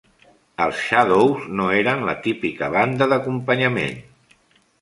Els Shadows no eren la típica banda d'acompanyament.